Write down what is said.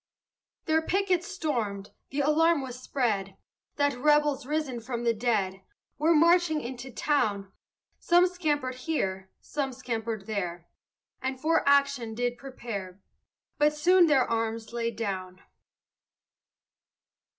Their pickets stormed, the alarm was spread, That rebels risen from the dead Were marching into town. Some scampered here, some scampered there, And some for action did prepare; But soon their arms laid down.